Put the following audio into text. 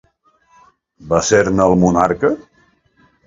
Va ser-ne el monarca?